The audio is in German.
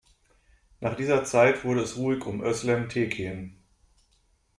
Nach dieser Zeit wurde es ruhig um Özlem Tekin.